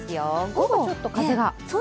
午後ちょっと風が。